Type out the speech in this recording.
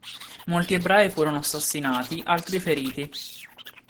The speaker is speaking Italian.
Molti ebrei furono assassinati, altri feriti.